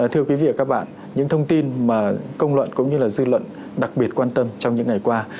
thưa quý vị và các bạn những thông tin mà công luận cũng như là dư luận đặc biệt quan tâm trong những ngày qua